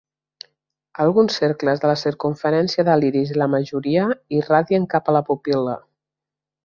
Alguns cercles de la circumferència de l'iris i la majoria irradien cap a la pupil·la.